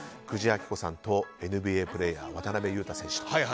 久慈暁子さんとＮＢＡプレーヤー渡邊雄太選手の。